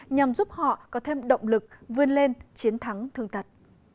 nhằm giúp họ có thêm động lực vươn lên chiến thắng thương tật